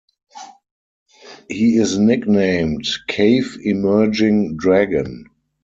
He is nicknamed "Cave Emerging Dragon".